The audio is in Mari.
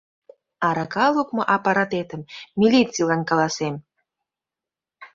Арака лукмо аппаратетым милицийлан каласем!